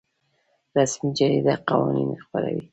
رسمي جریده قوانین خپروي